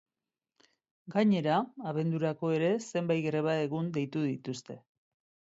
Gainera, abendurako ere zenbait greba egun deitu dituzte.